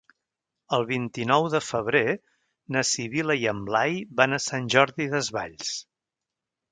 El vint-i-nou de febrer na Sibil·la i en Blai van a Sant Jordi Desvalls.